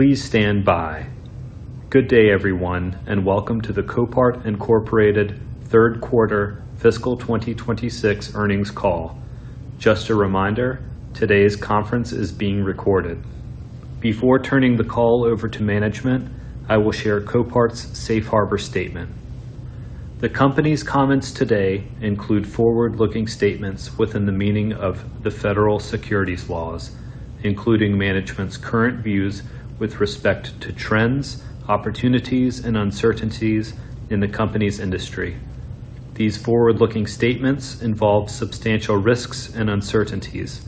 Good day, everyone, and welcome to the Copart, Inc. third quarter fiscal 2026 earnings call. Just a reminder, today's conference is being recorded. Before turning the call over to management, I will share Copart's Safe Harbor statement. The company's comments today include forward-looking statements within the meaning of the federal securities laws, including management's current views with respect to trends, opportunities, and uncertainties in the company's industry. These forward-looking statements involve substantial risks and uncertainties.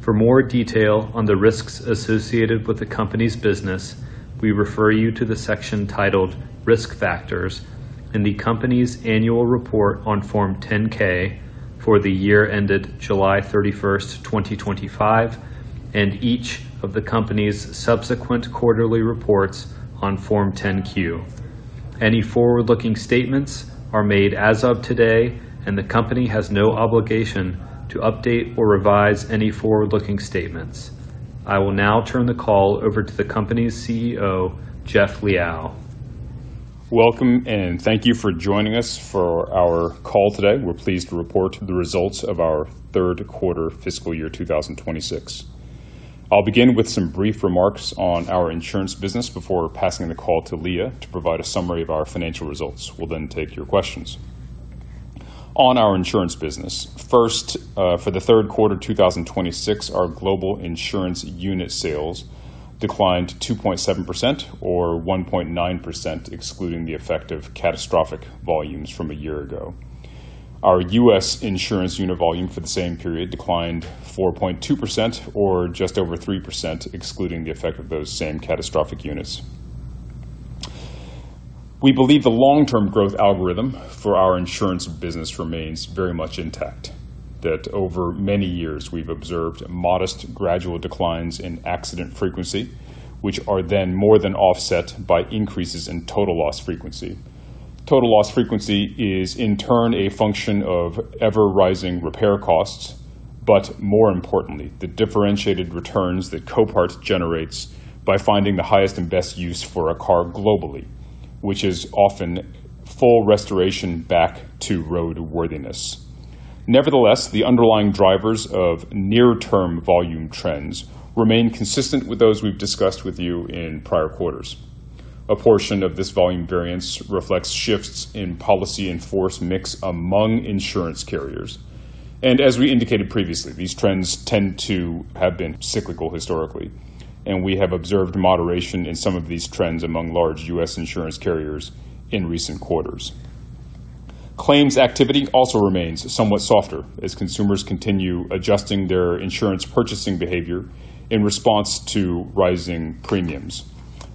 For more detail on the risks associated with the company's business, we refer you to the section titled Risk Factors in the company's annual report on Form 10-K for the year ended July 31st, 2025, and each of the company's subsequent quarterly reports on Form 10-Q. Any forward-looking statements are made as of today, and the company has no obligation to update or revise any forward-looking statements. I will now turn the call over to the company's CEO, Jeff Liaw. Welcome, and thank you for joining us for our call today. We're pleased to report the results of our 3rd quarter FY 2026. I'll begin with some brief remarks on our insurance business before passing the call to Leah to provide a summary of our financial results. We'll then take your questions. On our insurance business. First, for the 3rd quarter 2026, our global insurance unit sales declined 2.7%, or 1.9%, excluding the effect of catastrophic volumes from a year ago. Our U.S. insurance unit volume for the same period declined 4.2%, or just over 3%, excluding the effect of those same catastrophic units. We believe the long-term growth algorithm for our insurance business remains very much intact, that over many years we've observed modest gradual declines in accident frequency, which are then more than offset by increases in total loss frequency. Total loss frequency is in turn a function of ever-rising repair costs, but more importantly, the differentiated returns that Copart generates by finding the highest and best use for a car globally, which is often full restoration back to roadworthiness. Nevertheless, the underlying drivers of near-term volume trends remain consistent with those we've discussed with you in prior quarters. A portion of this volume variance reflects shifts in policy in force mix among insurance carriers. As we indicated previously, these trends tend to have been cyclical historically, and we have observed moderation in some of these trends among large U.S. insurance carriers in recent quarters. Claims activity also remains somewhat softer as consumers continue adjusting their insurance purchasing behavior in response to rising premiums.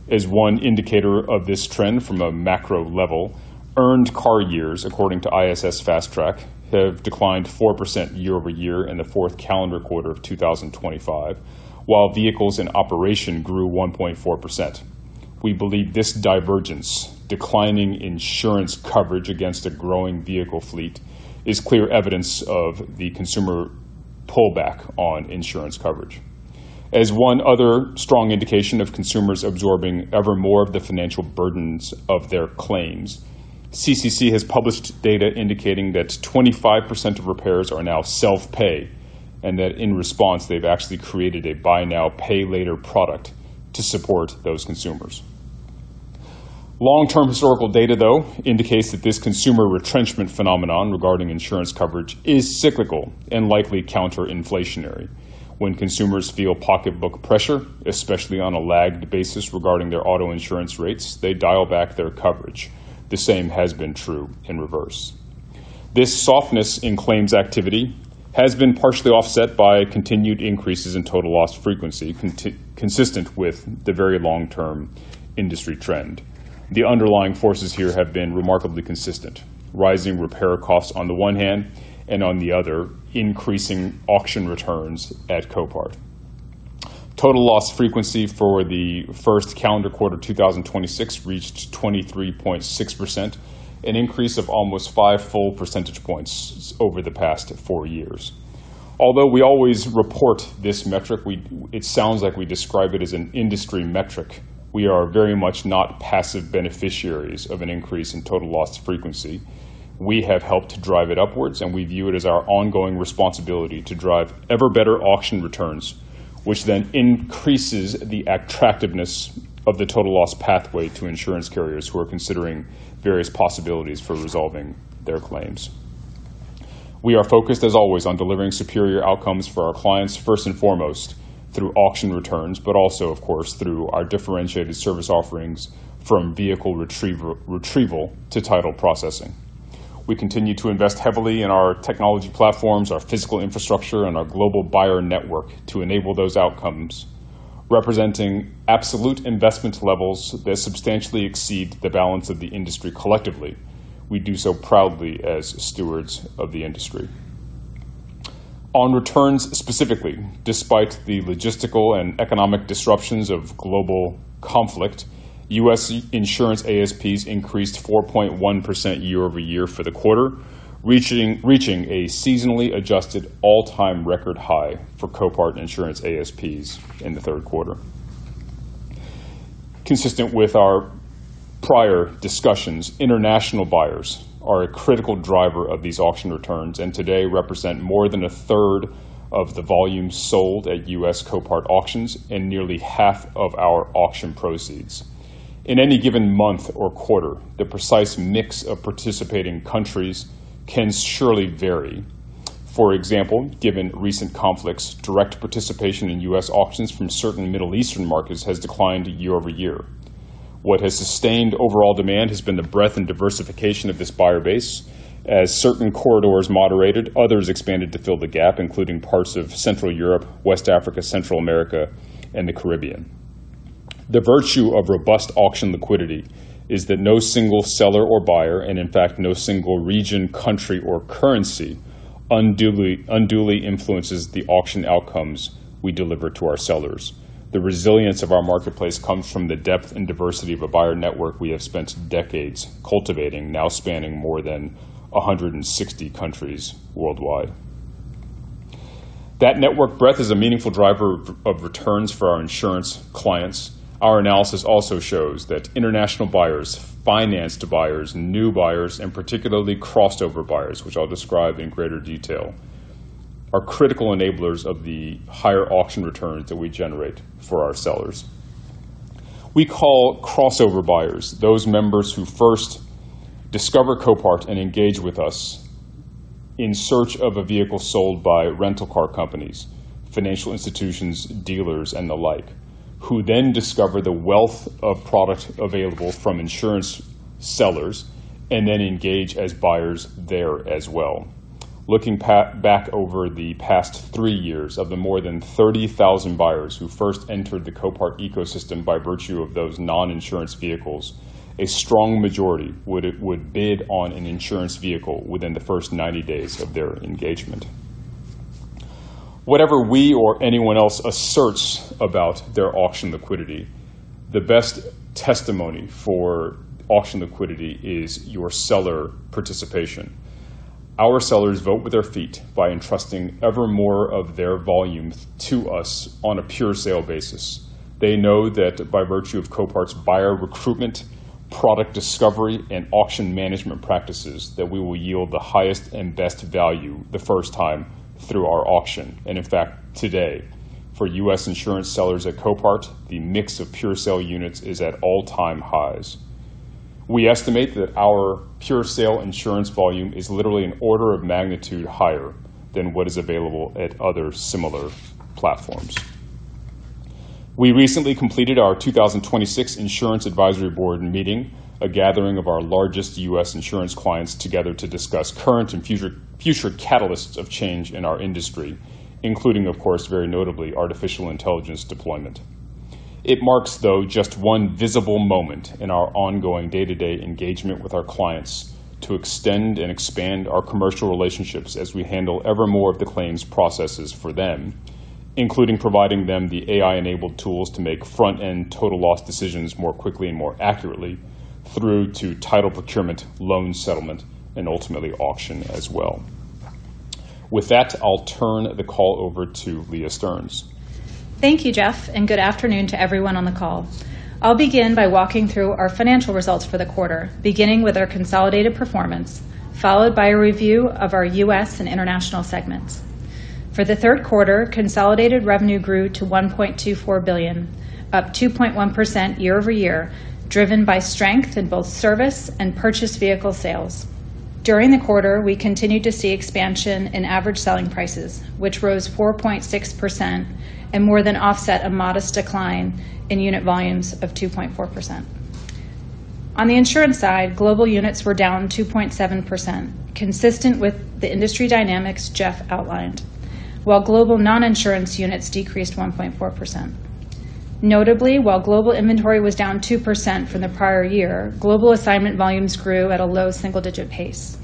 As one indicator of this trend from a macro level, earned car years, according to ISO Fast Track, have declined 4% year-over-year in the fourth calendar quarter of 2025, while vehicles in operation grew 1.4%. We believe this divergence, declining insurance coverage against a growing vehicle fleet, is clear evidence of the consumer pullback on insurance coverage. As one other strong indication of consumers absorbing ever more of the financial burdens of their claims, CCC has published data indicating that 25% of repairs are now self-pay, and that in response, they've actually created a buy now, pay later product to support those consumers. Long-term historical data, though, indicates that this consumer retrenchment phenomenon regarding insurance coverage is cyclical and likely counter-inflationary. When consumers feel pocketbook pressure, especially on a lagged basis regarding their auto insurance rates, they dial back their coverage. The same has been true in reverse. This softness in claims activity has been partially offset by continued increases in total loss frequency, consistent with the very long-term industry trend. The underlying forces here have been remarkably consistent, rising repair costs on the one hand, and on the other, increasing auction returns at Copart. Total loss frequency for the first calendar quarter 2026 reached 23.6%, an increase of almost five full percentage points over the past four years. Although we always report this metric, it sounds like we describe it as an industry metric. We are very much not passive beneficiaries of an increase in total loss frequency. We have helped drive it upwards, and we view it as our ongoing responsibility to drive ever-better auction returns, which then increases the attractiveness of the total loss pathway to insurance carriers who are considering various possibilities for resolving their claims. We are focused, as always, on delivering superior outcomes for our clients, first and foremost through auction returns, but also, of course, through our differentiated service offerings from vehicle retrieval to title processing. We continue to invest heavily in our technology platforms, our physical infrastructure, and our global buyer network to enable those outcomes, representing absolute investment levels that substantially exceed the balance of the industry collectively. We do so proudly as stewards of the industry. On returns specifically, despite the logistical and economic disruptions of global conflict. U.S. insurance ASPs increased 4.1% year-over-year for the quarter, reaching a seasonally adjusted all-time record high for Copart insurance ASPs in the third quarter. Consistent with our prior discussions, international buyers are a critical driver of these auction returns and today represent more than 1/3 of the volume sold at U.S. Copart auctions and nearly 1/2 of our auction proceeds. In any given month or quarter, the precise mix of participating countries can surely vary. For example, given recent conflicts, direct participation in U.S. auctions from certain Middle Eastern markets has declined year-over-year. What has sustained overall demand has been the breadth and diversification of this buyer base. As certain corridors moderated, others expanded to fill the gap, including parts of Central Europe, West Africa, Central America, and the Caribbean. The virtue of robust auction liquidity is that no single seller or buyer, and in fact, no single region, country, or currency unduly influences the auction outcomes we deliver to our sellers. The resilience of our marketplace comes from the depth and diversity of a buyer network we have spent decades cultivating, now spanning more than 160 countries worldwide. That network breadth is a meaningful driver of returns for our insurance clients. Our analysis also shows that international buyers, finance to buyers, new buyers, and particularly crossover buyers, which I'll describe in greater detail, are critical enablers of the higher auction returns that we generate for our sellers. We call crossover buyers those members who first discover Copart and engage with us in search of a vehicle sold by rental car companies, financial institutions, dealers, and the like, who then discover the wealth of product available from insurance sellers and then engage as buyers there as well. Looking back over the past three years, of the more than 30,000 buyers who first entered the Copart ecosystem by virtue of those non-insurance vehicles, a strong majority would bid on an insurance vehicle within the first 90 days of their engagement. Whatever we or anyone else asserts about their auction liquidity, the best testimony for auction liquidity is your seller participation. Our sellers vote with their feet by entrusting ever more of their volume to us on a pure sale basis. They know that by virtue of Copart's buyer recruitment, product discovery, and auction management practices, that we will yield the highest and best value the first time through our auction. In fact, today, for U.S. insurance sellers at Copart, the mix of pure sale units is at all-time highs. We estimate that our pure sale insurance volume is literally an order of magnitude higher than what is available at other similar platforms. We recently completed our 2026 Insurance Advisory Board meeting, a gathering of our largest U.S. insurance clients together to discuss current and future catalysts of change in our industry, including, of course, very notably, artificial intelligence deployment. It marks, though, just one visible moment in our ongoing day-to-day engagement with our clients to extend and expand our commercial relationships as we handle ever more of the claims processes for them, including providing them the AI-enabled tools to make front-end total loss decisions more quickly and more accurately through to title procurement, loan settlement, and ultimately auction as well. With that, I'll turn the call over to Leah Stearns. Thank you, Jeff, and good afternoon to everyone on the call. I'll begin by walking through our financial results for the quarter, beginning with our consolidated performance, followed by a review of our U.S. and international segments. For the third quarter, consolidated revenue grew to $1.24 billion, up 2.1% year-over-year, driven by strength in both service and purchased vehicle sales. During the quarter, we continued to see expansion in average selling prices, which rose 4.6% and more than offset a modest decline in unit volumes of 2.4%. On the insurance side, global units were down 2.7%, consistent with the industry dynamics Jeff outlined. While global non-insurance units decreased 1.4%. Notably, while global inventory was down 2% from the prior year, global assignment volumes grew at a low single-digit pace.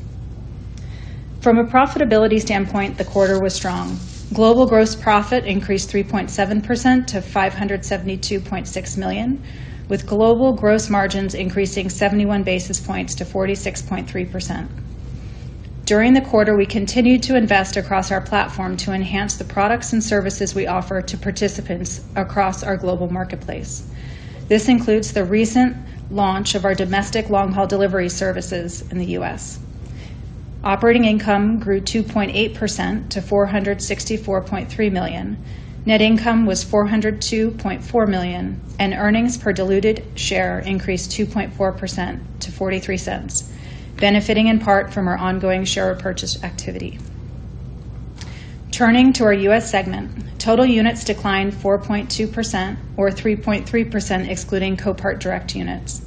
From a profitability standpoint, the quarter was strong. Global gross profit increased 3.7% to $572.6 million, with global gross margins increasing 71 basis points to 46.3%. During the quarter, we continued to invest across our platform to enhance the products and services we offer to participants across our global marketplace. This includes the recent launch of our domestic long-haul delivery services in the U.S. Operating income grew 2.8% to $464.3 million. Net income was $402.4 million, and earnings per diluted share increased 2.4% to $0.43, benefiting in part from our ongoing share repurchase activity. Turning to our U.S. segment. Total units declined 4.2%, or 3.3% excluding Copart Direct units.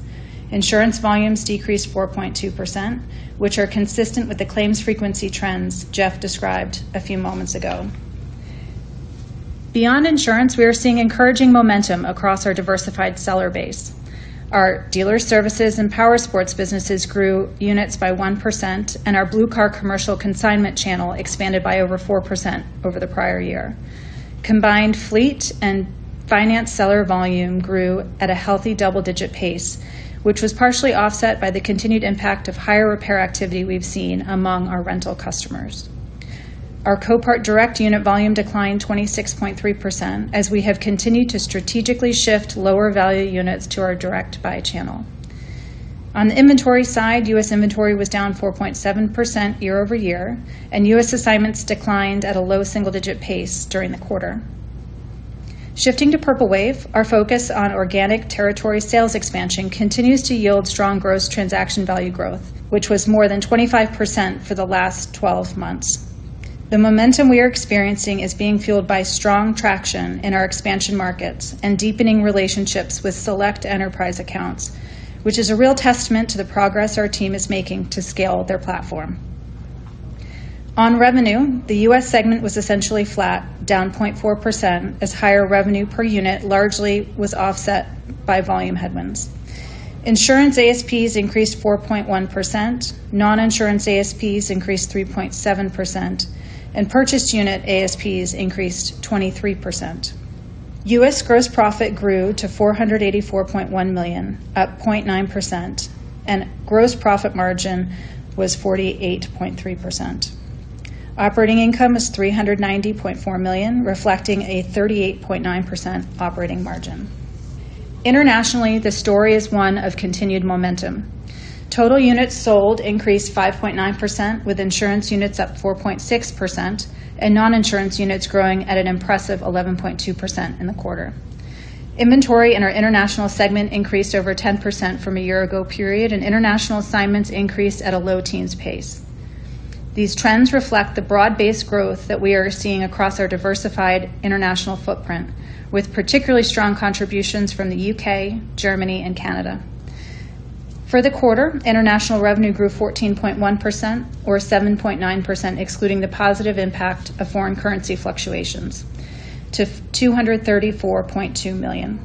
Insurance volumes decreased 4.2%, which are consistent with the claims frequency trends Jeff described a few moments ago. Beyond insurance, we are seeing encouraging momentum across our diversified seller base. Our Dealer Services and powersports businesses grew units by 1%, and our whole car Commercial consignment channel expanded by over 4% over the prior year. Combined fleet and finance seller volume grew at a healthy double-digit pace, which was partially offset by the continued impact of higher repair activity we've seen among our rental customers. Our Copart Direct unit volume declined 26.3% as we have continued to strategically shift lower value units to our direct buy channel. On the inventory side, U.S. inventory was down 4.7% year-over-year, and U.S. assignments declined at a low single-digit pace during the quarter. Shifting to Purple Wave, our focus on organic territory sales expansion continues to yield strong gross transaction value growth, which was more than 25% for the last 12 months. The momentum we are experiencing is being fueled by strong traction in our expansion markets and deepening relationships with select enterprise accounts, which is a real testament to the progress our team is making to scale their platform. On revenue, the U.S. segment was essentially flat, down 0.4%, as higher revenue per unit largely was offset by volume headwinds. Insurance ASPs increased 4.1%, non-insurance ASPs increased 3.7%, and purchased unit ASPs increased 23%. U.S. gross profit grew to $484.1 million, up 0.9%, and gross profit margin was 48.3%. Operating income is $390.4 million, reflecting a 38.9% operating margin. Internationally, the story is one of continued momentum. Total units sold increased 5.9%, with insurance units up 4.6% and non-insurance units growing at an impressive 11.2% in the quarter. Inventory in our international segment increased over 10% from a year ago period, and international assignments increased at a low teens pace. These trends reflect the broad-based growth that we are seeing across our diversified international footprint, with particularly strong contributions from the U.K., Germany, and Canada. For the quarter, international revenue grew 14.1%, or 7.9% excluding the positive impact of foreign currency fluctuations, to $234.2 million.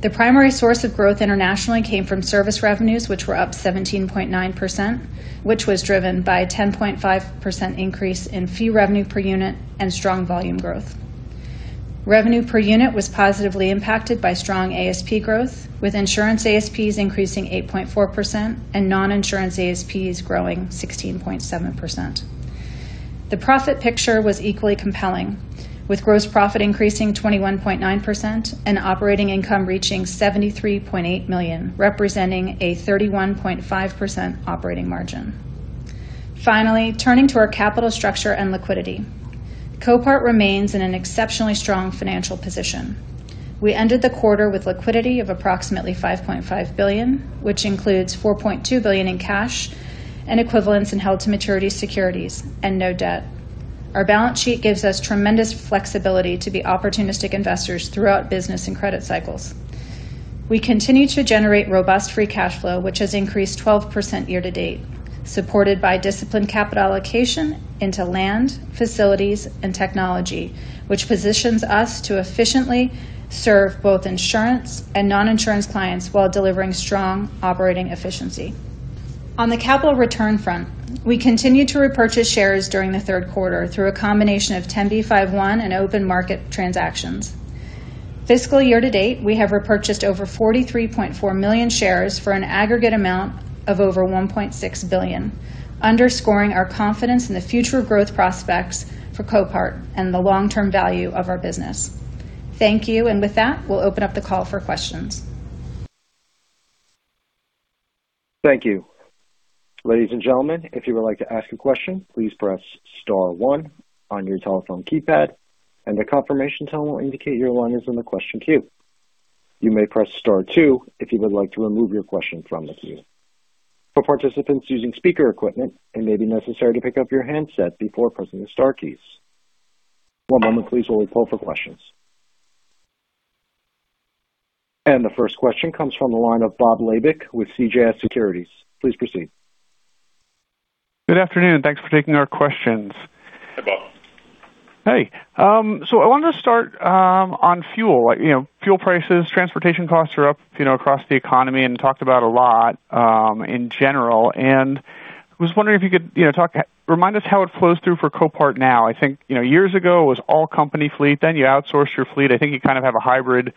The primary source of growth internationally came from service revenues, which were up 17.9%, which was driven by a 10.5% increase in fee revenue per unit and strong volume growth. Revenue per unit was positively impacted by strong ASP growth, with insurance ASPs increasing 8.4% and non-insurance ASPs growing 16.7%. The profit picture was equally compelling, with gross profit increasing 21.9% and operating income reaching $73.8 million, representing a 31.5% operating margin. Finally, turning to our capital structure and liquidity. Copart remains in an exceptionally strong financial position. We ended the quarter with liquidity of approximately $5.5 billion, which includes $4.2 billion in cash and equivalents in held to maturity securities and no debt. Our balance sheet gives us tremendous flexibility to be opportunistic investors throughout business and credit cycles. We continue to generate robust free cash flow, which has increased 12% year to date, supported by disciplined capital allocation into land, facilities, and technology, which positions us to efficiently serve both insurance and non-insurance clients while delivering strong operating efficiency. On the capital return front, we continued to repurchase shares during the third quarter through a combination of 10b5-1 and open market transactions. Fiscal year to date, we have repurchased over 43.4 million shares for an aggregate amount of over $1.6 billion, underscoring our confidence in the future growth prospects for Copart and the long-term value of our business. Thank you. With that, we'll open up the call for questions. Thank you. Ladies and gentlemen, if you would like to ask a question, please press star 1 on your telephone keypad and a confirmation tone will indicate your line is in the question queue. You may press star 2 if you would like to remove your question from the queue. For participants using speaker equipment, it may be necessary to pick up your handset before pressing the star keys. One moment please while we pull for questions. The first question comes from the line of Robert Labick with CJS Securities. Please proceed. Good afternoon, and thanks for taking our questions. Hi, Robert. Hey. I wanted to start on fuel. Fuel prices, transportation costs are up across the economy and talked about a lot in general. I was wondering if you could remind us how it flows through for Copart now. I think years ago it was all company fleet. You outsourced your fleet. I think you kind of have a hybrid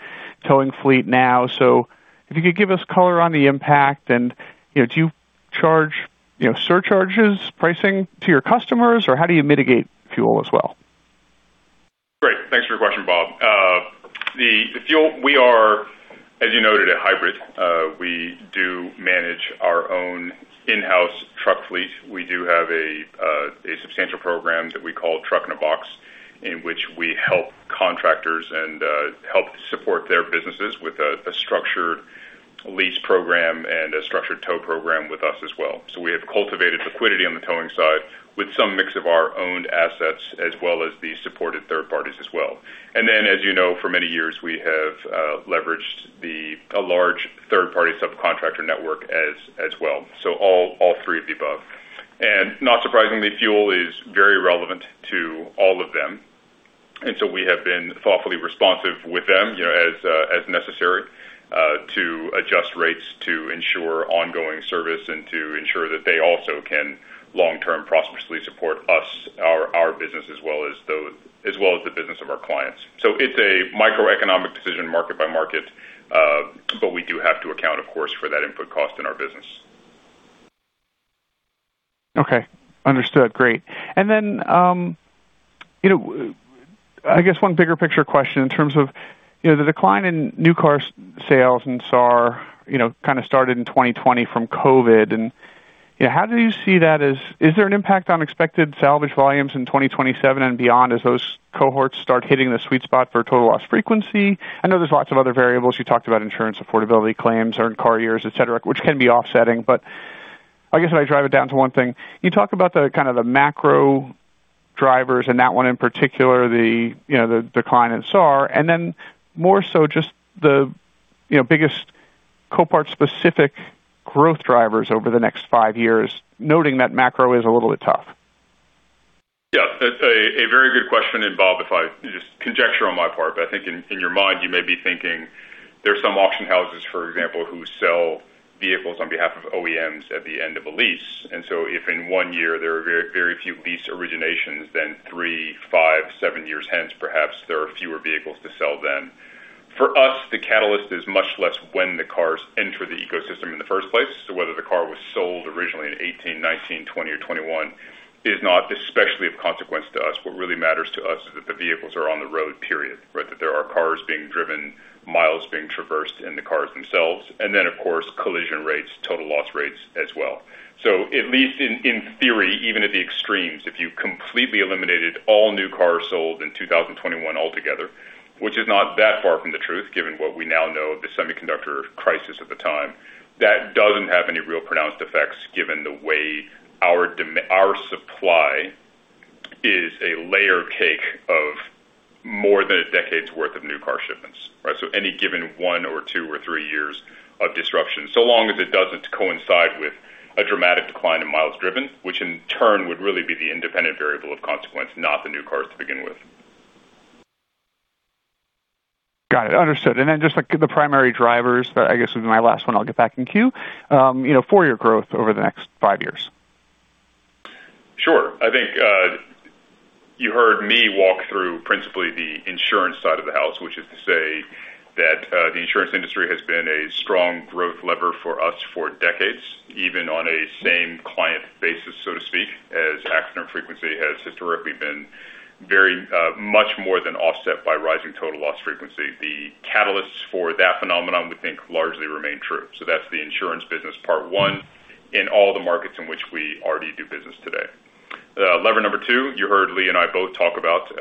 towing fleet now. If you could give us color on the impact and do you charge surcharges pricing to your customers, or how do you mitigate fuel as well? Great. Thanks for your question, Bob. The fuel, we are, as you noted, a hybrid. We do manage our own in-house truck fleet. We do have a substantial program that we call Truck in a Box, in which we help contractors and help support their businesses with a structured lease program and a structured tow program with us as well. We have cultivated liquidity on the towing side with some mix of our owned assets as well as the supported third parties as well. As you know, for many years, we have leveraged a large third-party subcontractor network as well. All three of the above. Not surprisingly, fuel is very relevant to all of them. We have been thoughtfully responsive with them as necessary. To adjust rates to ensure ongoing service and to ensure that they also can long-term prosperously support us, our business as well as the business of our clients. It's a microeconomic decision market by market, but we do have to account, of course, for that input cost in our business. Okay. Understood. Great. I guess one bigger picture question in terms of the decline in new car sales and SAAR kind of started in 2020 from COVID, how do you see that? Is there an impact on expected salvage volumes in 2027 and beyond as those cohorts start hitting the sweet spot for total loss frequency? I know there's lots of other variables. You talked about insurance affordability claims, earned car years, et cetera, which can be offsetting. I guess if I drive it down to one thing, you talk about the kind of the macro drivers and that one in particular, the decline in SAAR, more so just the biggest Copart specific growth drivers over the next five years, noting that macro is a little bit tough. Yeah. That's a very good question, Bob, just conjecture on my part, I think in your mind, you may be thinking there are some auction houses, for example, who sell vehicles on behalf of OEMs at the end of a lease. If in 1 year there are very few lease originations, 3, 5, 7 years hence, perhaps there are fewer vehicles to sell then. For us, the catalyst is much less when the cars enter the ecosystem in the first place. Whether the car was sold originally in 2018, 2019, 2020, or 2021 is not especially of consequence to us. What really matters to us is that the vehicles are on the road, period. That there are cars being driven, miles being traversed in the cars themselves. Of course, collision rates, total loss rates as well. At least in theory, even at the extremes, if you completely eliminated all new cars sold in 2021 altogether, which is not that far from the truth, given what we now know of the semiconductor crisis at the time, that doesn't have any real pronounced effects given the way our supply is a layer cake of more than a decade's worth of new car shipments. Any given one or two or three years of disruption, so long as it doesn't coincide with a dramatic decline in miles driven, which in turn would really be the independent variable of consequence, not the new cars to begin with. Got it. Understood. Just the primary drivers, that I guess will be my last one, I'll get back in queue, for your growth over the next five years. Sure. I think, you heard me walk through principally the insurance side of the house, which is to say that the insurance industry has been a strong growth lever for us for decades, even on a same client basis, so to speak, as accident frequency has historically been very much more than offset by rising total loss frequency. The catalysts for that phenomenon, we think, largely remain true. That's the insurance business part 1 in all the markets in which we already do business today. Lever number 2, you heard Leah Stearns and I both talk about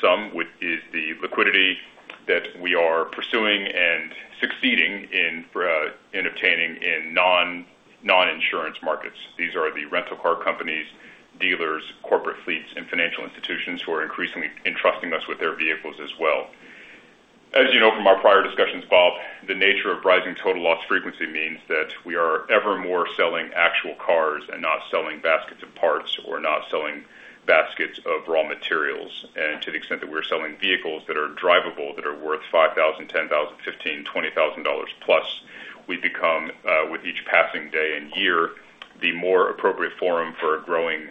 some, which is the liquidity that we are pursuing and succeeding in obtaining in non-insurance markets. These are the rental car companies, dealers, corporate fleets, and financial institutions who are increasingly entrusting us with their vehicles as well. As you know from our prior discussions, Bob, the nature of rising total loss frequency means that we are ever more selling actual cars and not selling baskets of parts, or not selling baskets of raw materials. To the extent that we're selling vehicles that are drivable, that are worth $5,000, $10,000, $15,000, $20,000+, we become, with each passing day and year, the more appropriate forum for a growing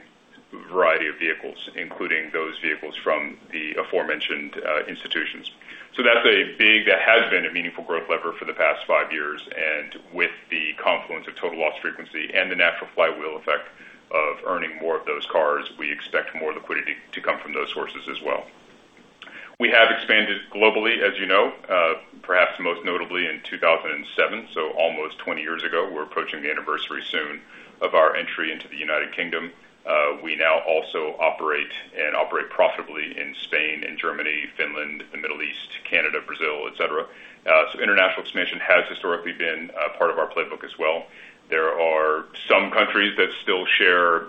variety of vehicles, including those vehicles from the aforementioned institutions. That has been a meaningful growth lever for the past five years, and with the confluence of total loss frequency and the natural flywheel effect of earning more of those cars, we expect more liquidity to come from those sources as well. We have expanded globally, as you know, perhaps most notably in 2007, so almost 20 years ago. We're approaching the anniversary soon of our entry into the United Kingdom. We now also operate and operate profitably in Spain and Germany, Finland, the Middle East, Canada, Brazil, et cetera. International expansion has historically been a part of our playbook as well. There are some countries that still share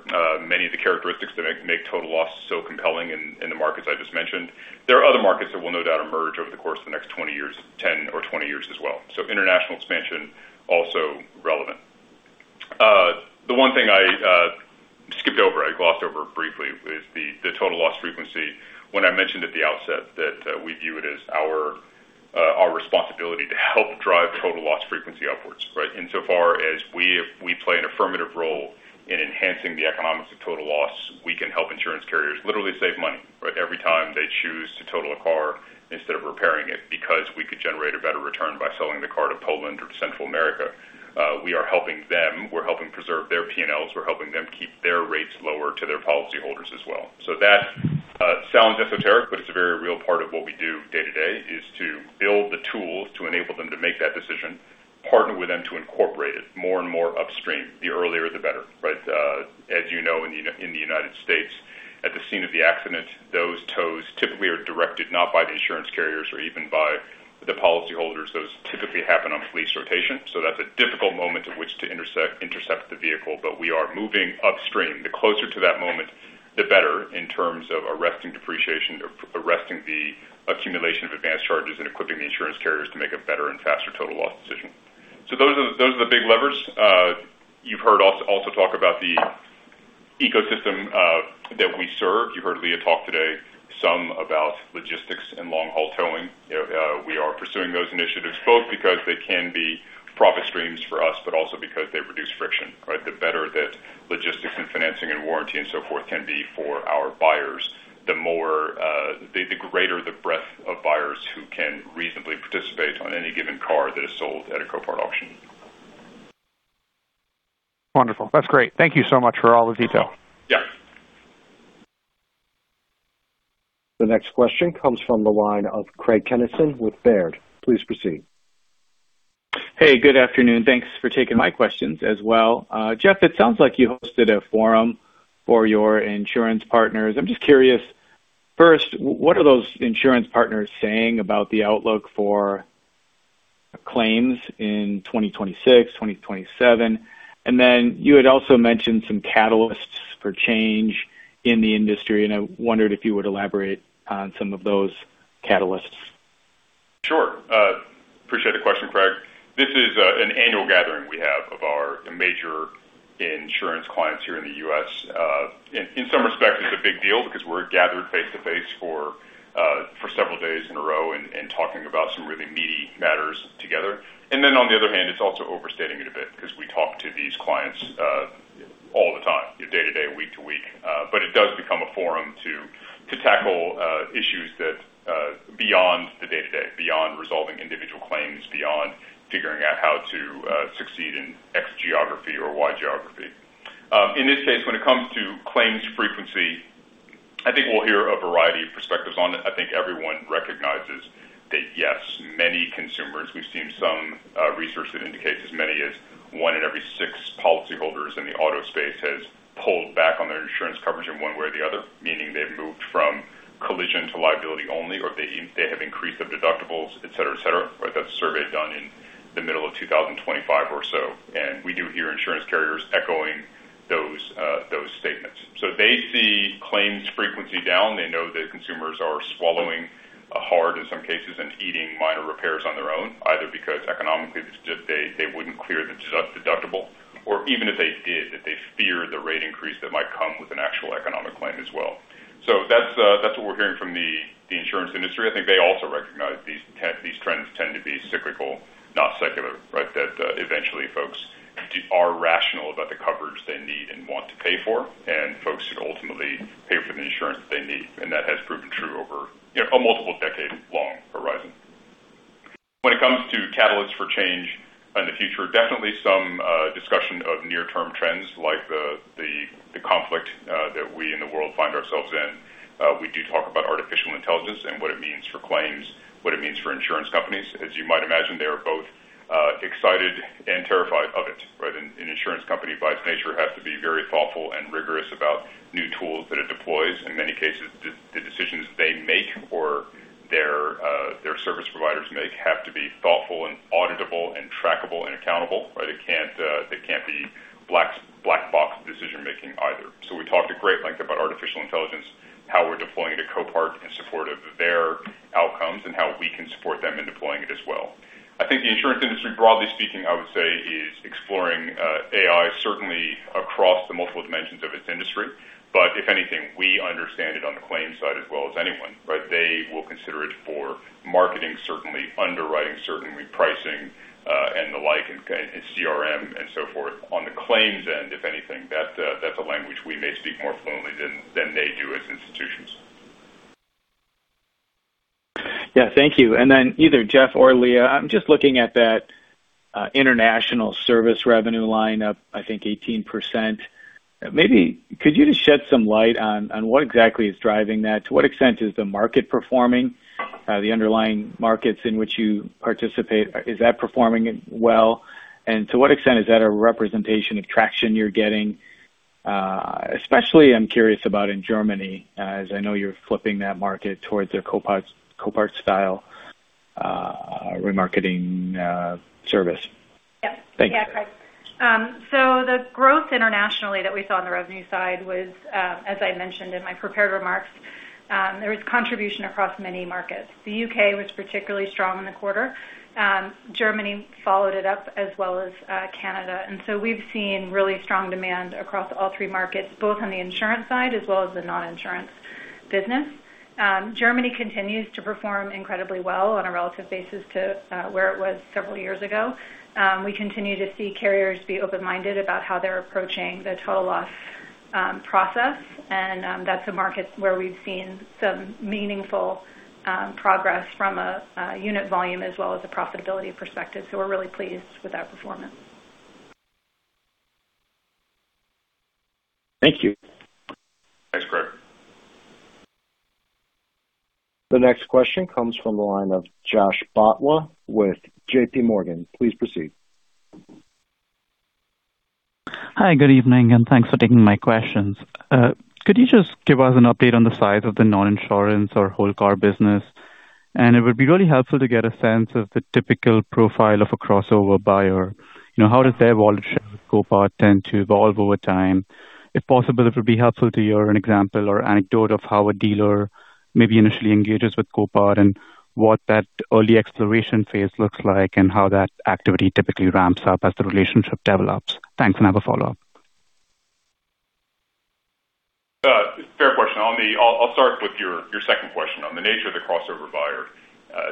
many of the characteristics that make total loss so compelling in the markets I just mentioned. There are other markets that will no doubt emerge over the course of the next 10 or 20 years as well. International expansion, also relevant. The one thing I skipped over, I glossed over briefly, is the total loss frequency. When I mentioned at the outset that we view it as our responsibility to help drive total loss frequency upwards. Insofar as we play an affirmative role in enhancing the economics of total loss, we can help insurance carriers literally save money every time they choose to total a car instead of repairing it, because we could generate a better return by selling the car to Poland or to Central America. We are helping them. We're helping preserve their P&Ls. We're helping them keep their rates lower to their policyholders as well. That sounds esoteric, but it's a very real part of what we do day to day is to build the tools to enable them to make that decision, partner with them to incorporate it more and more upstream. The earlier, the better. As you know, in the U.S., at the scene of the accident, those tows typically are directed not by the insurance carriers or even by the policyholders. Those typically happen on police rotation. That's a difficult moment at which to intercept the vehicle. We are moving upstream. The closer to that moment, the better in terms of arresting depreciation, arresting the accumulation of advanced charges, and equipping the insurance carriers to make a better and faster total loss decision. Those are the big levers. You've heard also talk about the ecosystem that we serve. You heard Leah talk today some about logistics and long-haul towing. We are pursuing those initiatives both because they can be profit streams for us, but also because they reduce friction, right? The better that logistics and financing and warranty and so forth can be for our buyers, the greater the breadth of buyers who can reasonably participate on any given car that is sold at a Copart auction. Wonderful. That's great. Thank you so much for all the detail. Yeah. The next question comes from the line of Craig Kennison with Baird. Please proceed. Hey, good afternoon. Thanks for taking my questions as well. Jeff, it sounds like you hosted a forum for your insurance partners. I'm just curious, first, what are those insurance partners saying about the outlook for claims in 2026, 2027? Then you had also mentioned some catalysts for change in the industry, and I wondered if you would elaborate on some of those catalysts. Sure. Appreciate the question, Craig. This is an annual gathering we have of our major insurance clients here in the U.S. In some respects, it's a big deal because we're gathered face-to-face for several days in a row and talking about some really meaty matters together. On the other hand, it's also overstating it a bit because we talk to these clients all the time, day to day, week to week. It does become a forum to tackle issues beyond the day-to-day, beyond resolving individual claims, beyond figuring out how to succeed in X geography or Y geography. In this case, when it comes to claims frequency, I think we'll hear a variety of perspectives on it. I think everyone recognizes that, yes, many consumers, we've seen some research that indicates as many as one in every six policyholders in the auto space has pulled back on their insurance coverage in one way or the other, meaning they've moved from collision to liability only, or they have increased their deductibles, et cetera. That's a survey done in the middle of 2025 or so, we do hear insurance carriers echoing those statements. They see claims frequency down. They know that consumers are swallowing hard in some cases and eating minor repairs on their own, either because economically it's just they wouldn't clear the deductible or even if they did, that they fear the rate increase that might come with an actual economic claim as well. That's what we're hearing from the insurance industry. I think they also recognize these trends tend to be cyclical, not secular, right? That eventually folks are rational about the coverage they need and want to pay for, and folks should ultimately pay for the insurance that they need. That has proven true over a multiple-decade-long horizon. When it comes to catalysts for change in the future, definitely some discussion of near-term trends like the conflict that we in the world find ourselves in. We do talk about artificial intelligence and what it means for claims, what it means for insurance companies. As you might imagine, they are both excited and terrified of it, right? An insurance company, by its nature, has to be very thoughtful and rigorous about new tools that it deploys. In many cases, the decisions they make or their service providers make have to be thoughtful and auditable and trackable and accountable. They can't be black box decision-making either. We talked a great length about artificial intelligence, how we're deploying it at Copart in support of their outcomes, and how we can support them in deploying it as well. I think the insurance industry, broadly speaking, I would say, is exploring AI, certainly across the multiple dimensions of its industry. If anything, we understand it on the claims side as well as anyone, right? They will consider it for marketing, certainly underwriting, certainly pricing, and the like, and CRM and so forth. On the claims end, if anything, that's a language we may speak more fluently than they do as institutions. Yeah. Thank you. Then either Jeff or Leah, I'm just looking at that international service revenue line up, I think 18%. Maybe could you just shed some light on what exactly is driving that? To what extent is the market performing, the underlying markets in which you participate, is that performing well? To what extent is that a representation of traction you're getting? Especially I'm curious about in Germany, as I know you're flipping that market towards a Copart style remarketing service. Yeah. Thank you. Yeah, Craig. The growth internationally that we saw on the revenue side was, as I mentioned in my prepared remarks, there was contribution across many markets. The U.K. was particularly strong in the quarter. Germany followed it up as well as Canada. We've seen really strong demand across all three markets, both on the insurance side as well as the non-insurance business. Germany continues to perform incredibly well on a relative basis to where it was several years ago. We continue to see carriers be open-minded about how they're approaching the total loss process, and that's a market where we've seen some meaningful progress from a unit volume as well as a profitability perspective. We're really pleased with that performance. Thank you. Thanks, Craig. The next question comes from the line of Jash Patwa with JPMorgan. Please proceed. Hi, good evening and thanks for taking my questions. Could you just give us an update on the size of the non-insurance or whole car business? It would be really helpful to get a sense of the typical profile of a crossover buyer. How does their wallet share with Copart tend to evolve over time? If possible, it would be helpful to hear an example or anecdote of how a dealer maybe initially engages with Copart, and what that early exploration phase looks like and how that activity typically ramps up as the relationship develops. Thanks, and I have a follow-up. I'll start with your second question on the nature of the crossover buyer.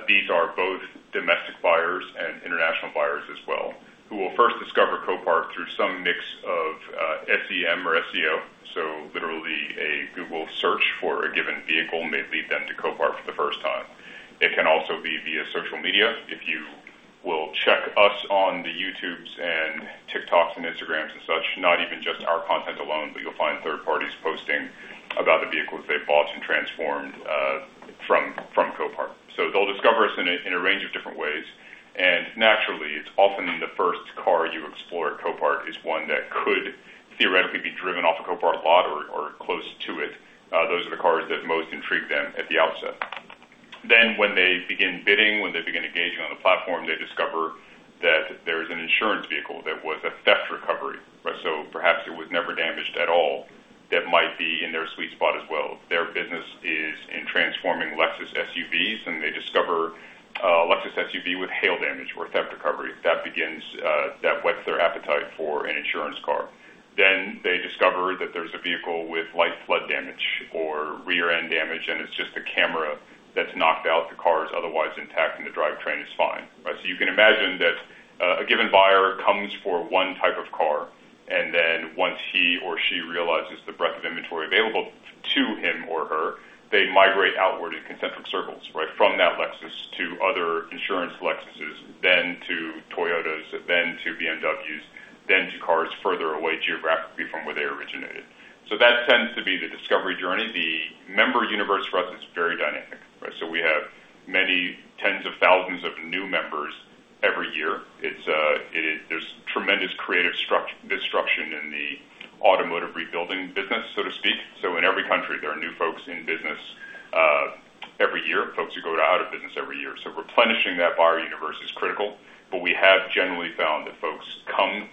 These are both domestic buyers and international buyers as well, who will first discover Copart through some mix of SEM or SEO. Literally a Google search for a given vehicle may lead them to Copart for the first time. It can also be via social media. If you will check us on the YouTubes and TikToks and Instagrams and such, not even just our content alone, but you'll find third parties posting about the vehicles they've bought and transformed from Copart. They'll discover us in a range of different ways. Naturally, it's often the first car you explore at Copart is one that could theoretically be driven off a Copart lot or close to it. Those are the cars that most intrigue them at the outset. When they begin bidding, when they begin engaging on the platform, they discover that there is an insurance vehicle that was a theft recovery. Perhaps it was never damaged at all. That might be in their sweet spot as well. Their business is in transforming Lexus SUVs, and they discover a Lexus SUV with hail damage or theft recovery. That whets their appetite for an insurance car. They discover that there's a vehicle with light flood damage or rear end damage, and it's just a camera that's knocked out. The car is otherwise intact, and the drivetrain is fine. You can imagine that a given buyer comes for 1 type of car, and then once he or she realizes the breadth of inventory available to him or her, they migrate outward in concentric circles from that Lexus to other insurance Lexuses, then to Toyotas, then to BMWs, then to cars further away geographically from where they originated. That tends to be the discovery journey. The member universe for us is very dynamic. We have many tens of thousands of new members every year. There's tremendous creative destruction in the automotive rebuilding business, so to speak. In every country, there are new folks in business every year, folks who go out of business every year. Replenishing that buyer universe is critical. We have generally found that folks come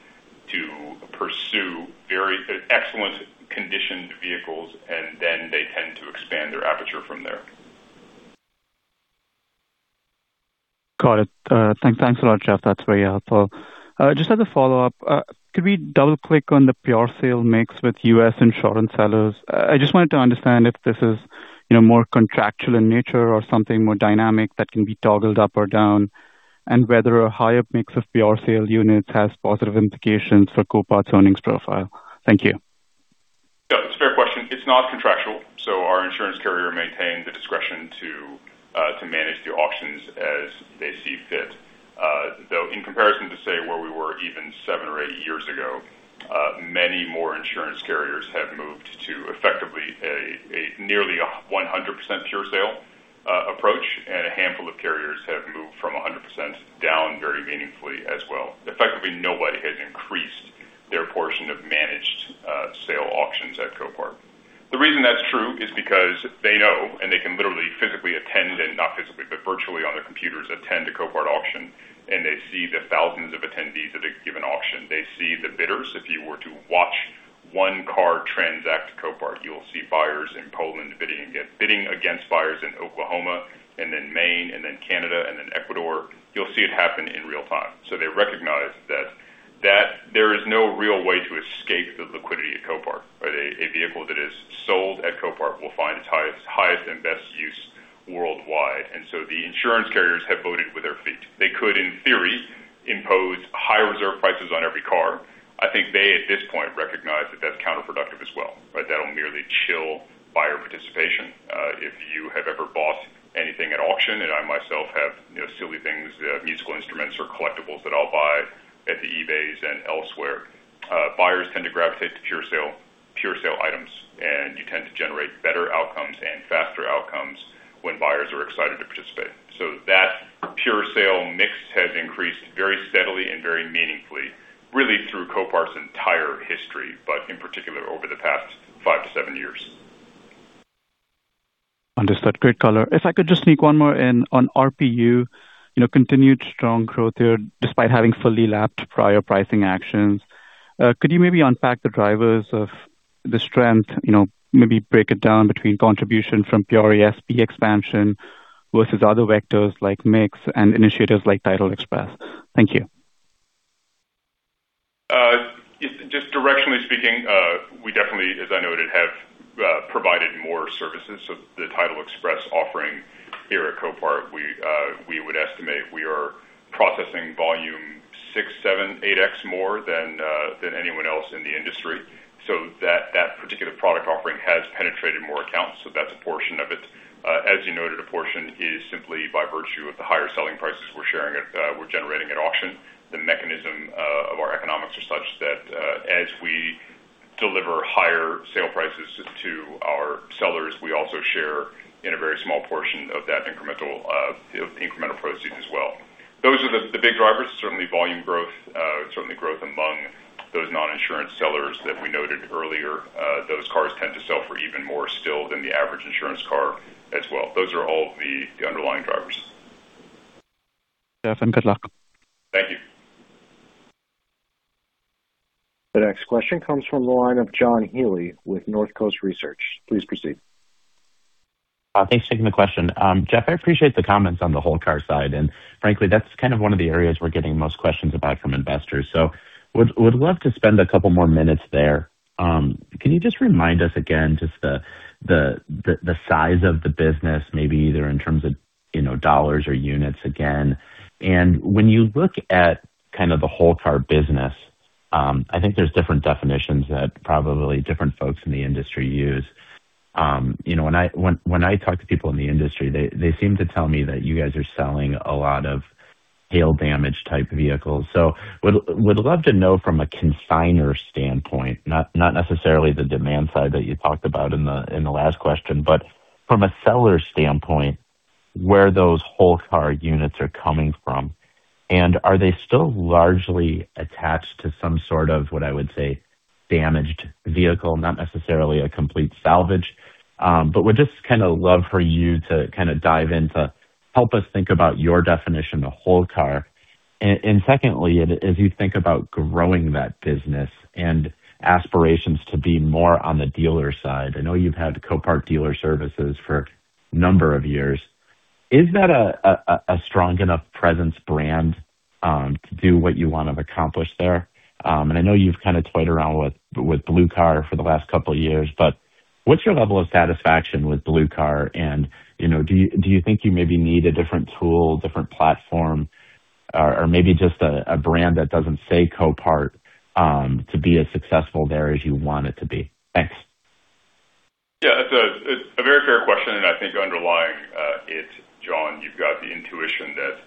to pursue very excellent conditioned vehicles, and then they tend to expand their aperture from there. Got it. Thanks a lot, Jeff. That's very helpful. Just as a follow-up, could we double-click on the pure sale mix with U.S. insurance sellers? I just wanted to understand if this is more contractual in nature or something more dynamic that can be toggled up or down, and whether a higher mix of pure sale units has positive implications for Copart's earnings profile. Thank you. Yeah, it's a fair question. It's not contractual. Our insurance carrier maintains the discretion to manage the auctions as they see fit. Though in comparison to, say, where we were even 7 or 8 years ago, many more insurance carriers have moved to effectively a nearly 100% pure sale approach, and a handful of carriers have moved from 100% down very meaningfully as well. Effectively, nobody has increased their portion of managed sale auctions at Copart. The reason that's true is because they know and they can literally physically attend, and not physically, but virtually on their computers, attend a Copart auction, and they see the thousands of attendees at a given auction. They see the bidders. If you were to watch 1 car transact at Copart, you will see buyers in Poland bidding against buyers in Oklahoma and then Maine, and then Canada, and then Ecuador. You'll see it happen in real time. They recognize that there is no real way to escape the liquidity at Copart. A vehicle that is sold at Copart will find its highest and best use worldwide. The insurance carriers have voted with their feet. They could, in theory, impose higher reserve prices on every car. I think they, at this point, recognize that that's counterproductive as well. That'll merely chill buyer participation. If you have ever bought anything at auction, and I myself have silly things, musical instruments or collectibles that I'll buy at the eBay and elsewhere. Buyers tend to gravitate to pure sale items, and you tend to generate better outcomes and faster outcomes when buyers are excited to participate. That pure sale mix has increased very steadily and very meaningfully, really through Copart's entire history, but in particular over the past five to seven years. Understood. Great color. If I could just sneak one more in on RPU, continued strong growth there despite having fully lapped prior pricing actions. Could you maybe unpack the drivers of the strength, maybe break it down between contribution from pure ASP expansion versus other vectors like mix and initiatives like Title Express? Thank you. Just directionally speaking, we definitely, as I noted, have provided more services. The Title Express offering here at Copart, we would estimate we are processing volume 6, 7, 8x more than anyone else in the industry. That particular product offering has penetrated more accounts. As you noted, a portion is simply by virtue of the higher selling prices we're generating at auction. The mechanism of our economics are such that as we deliver higher sale prices to our sellers, we also share in a very small portion of that incremental proceed as well. Those are the big drivers. Certainly volume growth, certainly growth among those non-insurance sellers that we noted earlier. Those cars tend to sell for even more still than the average insurance car as well. Those are all the underlying drivers. Jeff, and good luck. Thank you. The next question comes from the line of John Healy with Northcoast Research. Please proceed. Thanks for taking the question. Jeff, I appreciate the comments on the whole car side, and frankly, that's one of the areas we're getting most questions about from investors. Would love to spend a couple more minutes there. Can you just remind us again, just the size of the business, maybe either in terms of dollars or units again? When you look at the whole car business, I think there's different definitions that probably different folks in the industry use. When I talk to people in the industry, they seem to tell me that you guys are selling a lot of hail damage type vehicles. Would love to know from a consigner standpoint, not necessarily the demand side that you talked about in the last question, but from a seller standpoint, where those whole car units are coming from. Are they still largely attached to some sort of, what I would say, damaged vehicle, not necessarily a complete salvage? Would just love for you to dive in to help us think about your definition of whole car. Secondly, as you think about growing that business and aspirations to be more on the dealer side, I know you've had Copart Dealer Services for a number of years. Is that a strong enough presence brand to do what you want to accomplish there? I know you've toyed around with whole car for the last couple of years, but what's your level of satisfaction with Blue Car? Do you think you maybe need a different tool, different platform, or maybe just a brand that doesn't say Copart to be as successful there as you want it to be? Thanks. Yeah. It's a very fair question. I think underlying it, John, you've got the intuition that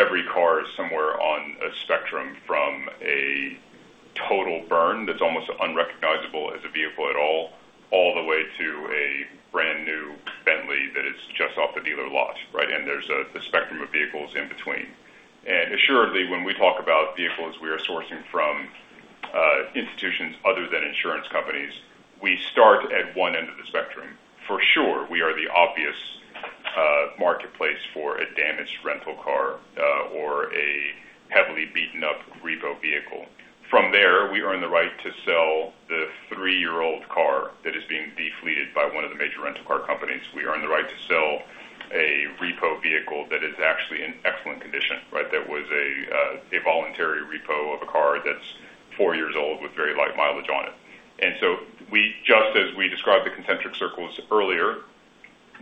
every car is somewhere on a spectrum from a total burn that's almost unrecognizable as a vehicle at all the way to a brand-new Bentley that is just off the dealer lot. Right? There's a spectrum of vehicles in between. Assuredly, when we talk about vehicles we are sourcing from institutions other than insurance companies, we start at one end of the spectrum. For sure, we are the obvious marketplace for a damaged rental car or a heavily beaten-up repo vehicle. From there, we earn the right to sell the three-year-old car that is being de-fleeted by one of the major rental car companies. We earn the right to sell a repo vehicle that is actually in excellent condition. That was a voluntary repo of a car that's 4 years old with very light mileage on it. Just as we described the concentric circles earlier,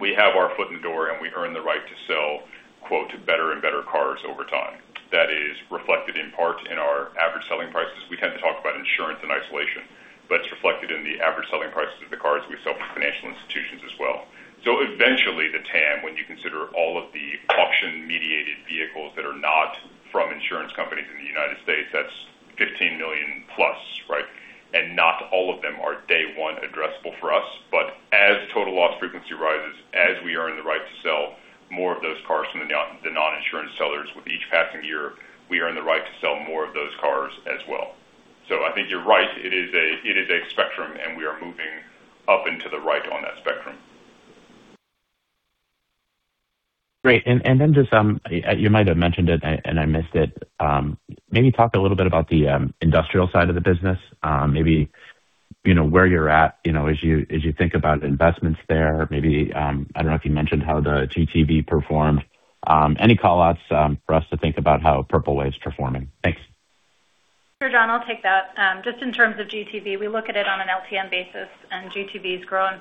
we have our foot in the door, and we earn the right to sell, quote, "better and better cars over time." That is reflected in part in our average selling prices. We tend to talk about insurance in isolation, but it's reflected in the average selling prices of the cars we sell to financial institutions as well. Eventually, the TAM, when you consider all of the auction-mediated vehicles that are not from insurance companies in the U.S., that's 15 million+. Right? Not all of them are day 1 addressable for us. As total loss frequency rises, as we earn the right to sell more of those cars from the non-insurance sellers with each passing year, we earn the right to sell more of those cars as well. I think you're right. It is a spectrum, and we are moving up and to the right on that spectrum. Great. Just, you might have mentioned it and I missed it. Maybe talk a little bit about the industrial side of the business. Maybe where you're at as you think about investments there. I don't know if you mentioned how the GTV performed. Any callouts for us to think about how Purple Wave is performing. Thanks. Sure, John. I'll take that. Just in terms of GTV, we look at it on an LTM basis, GTV has grown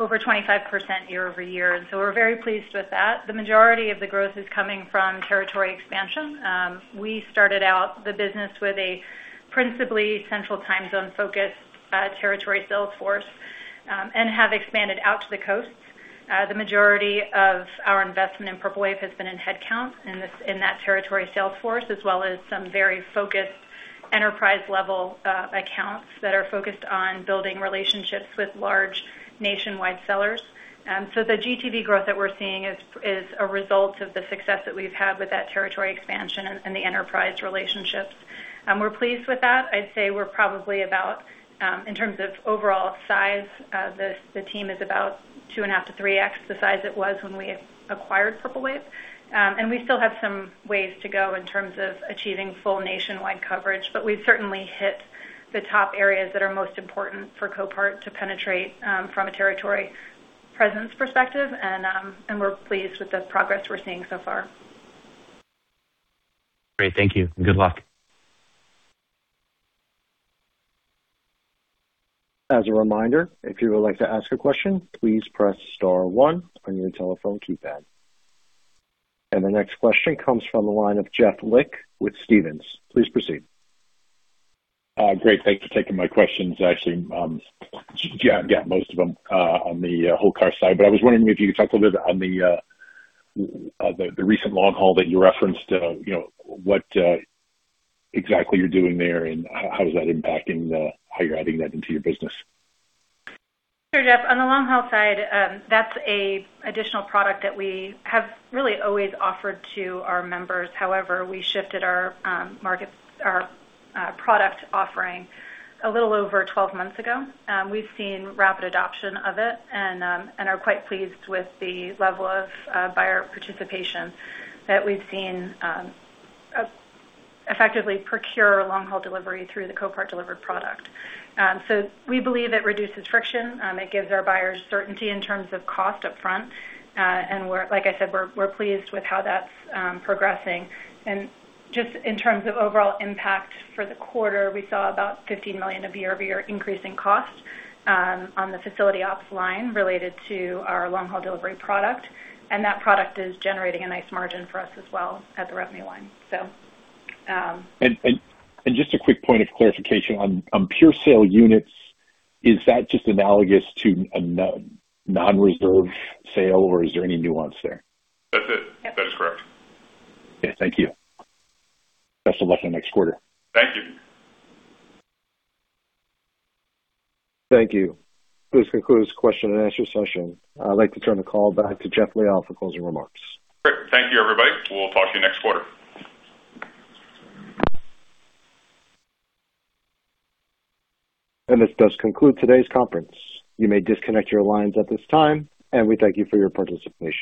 over 25% year-over-year. We're very pleased with that. The majority of the growth is coming from territory expansion. We started out the business with a principally Central Time Zone-focused territory sales force and have expanded out to the coasts. The majority of our investment in Purple Wave has been in headcount in that territory sales force, as well as some very focused enterprise-level accounts that are focused on building relationships with large nationwide sellers. The GTV growth that we're seeing is a result of the success that we've had with that territory expansion and the enterprise relationships. We're pleased with that. I'd say we're probably about, in terms of overall size, the team is about 2.5 to 3X the size it was when we acquired Purple Wave. We still have some ways to go in terms of achieving full nationwide coverage. We've certainly hit the top areas that are most important for Copart to penetrate from a territory presence perspective, and we're pleased with the progress we're seeing so far. Great. Thank you. Good luck. As a reminder, if you would like to ask a question, please press star one on your telephone keypad. The next question comes from the line of Jeff Lick with Stephens. Please proceed. Great. Thanks for taking my questions. Actually, Jeff, most of them on the whole car side, but I was wondering if you could talk a little bit on the recent long haul that you referenced, what exactly you're doing there, and how is that impacting how you're adding that into your business? Sure, Jeff. On the long haul side, that's an additional product that we have really always offered to our members. We shifted our product offering a little over 12 months ago. We've seen rapid adoption of it and are quite pleased with the level of buyer participation that we've seen effectively procure long haul delivery through the Copart Delivered product. We believe it reduces friction. It gives our buyers certainty in terms of cost up front. Like I said, we're pleased with how that's progressing. Just in terms of overall impact for the quarter, we saw about $15 million of year-over-year increase in cost on the facility ops line related to our long haul delivery product. That product is generating a nice margin for us as well at the revenue line. Just a quick point of clarification. On pure sale units, is that just analogous to a non-reserve sale, or is there any nuance there? That's it. Yeah. That is correct. Okay, thank you. Best of luck on next quarter. Thank you. Thank you. This concludes the question and answer session. I'd like to turn the call back to Jeff Liaw for closing remarks. Great. Thank you everybody. We'll talk to you next quarter. This does conclude today's conference. You may disconnect your lines at this time, and we thank you for your participation.